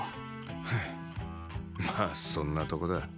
フンまあそんなとこだ。